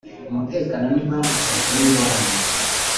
umutekano n impamvu zatera ingorane